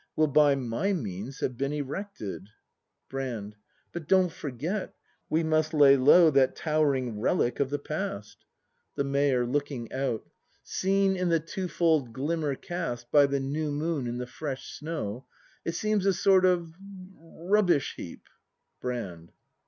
Will by m y means have been erected ! Brand. But, don't forget, we must lay low That towering relic of the past! 182 BRAND [act iv The Mayor. [LooJcing out.] Seen in the twofold glimmer cast By the new moon and the fresh snow, It seems a sort of — rubbish heap. Brand.